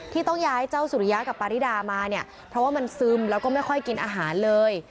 ที่ต้องย้ายเจ้าสุริยะกับปาริดามาเนี่ยเพราะว่ามันซึมแล้วก็ไม่ค่อยกินอาหารเลย